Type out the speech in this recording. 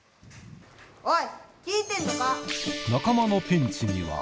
・おい！